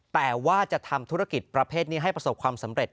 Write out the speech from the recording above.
แต่ว่าจะทำธุรกิจประเภทนี้ให้ประสบความสำเร็จ